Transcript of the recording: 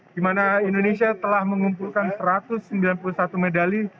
di mana indonesia telah mengumpulkan satu ratus sembilan puluh satu medali